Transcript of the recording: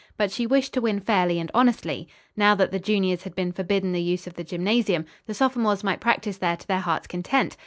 But she wished to win fairly and honestly. Now, that the juniors had been forbidden the use of the gymnasium, the sophomores might practise there to their heart's content.